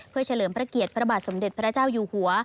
เพื่อเฉลิมพระเกียรติพระบาทสมเด็จพระเจ้าอยู่หัว